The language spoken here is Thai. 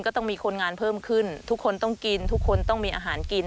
ก็ต้องมีคนงานเพิ่มขึ้นทุกคนต้องกินทุกคนต้องมีอาหารกิน